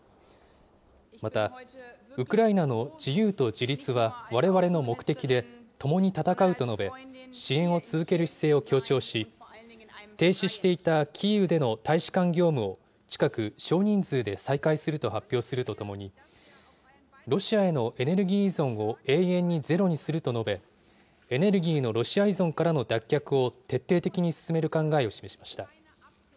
また、ウクライナの自由と自立はわれわれの目的で、ともに戦うと述べ、支援を続ける姿勢を強調し、停止していたキーウでの大使館業務を近く、少人数で再開すると発表するとともに、ロシアへのエネルギー依存を永遠にゼロにすると述べ、エネルギーのロシア依存からの脱却を徹底的に進める考えを示しました。